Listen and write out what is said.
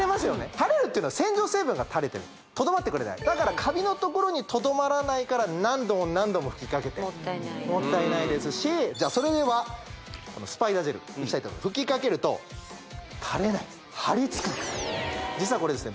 たれるっていうのは洗浄成分がたれてるとどまってくれないだからカビのところにとどまらないから何度も何度も吹きかけてもったいないよねもったいないですしそれではこのスパイダージェルいきたいと思います吹きかけるとたれないんです張り付くんです実はこれですね